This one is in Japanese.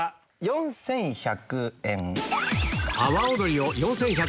４１００円。